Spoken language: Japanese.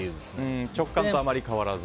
直感とあまり変わらず？